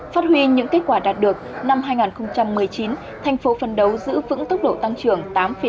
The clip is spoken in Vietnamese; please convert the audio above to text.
phát huy những kết quả đạt được năm hai nghìn một mươi chín thành phố phân đấu giữ vững tốc độ tăng trưởng tám năm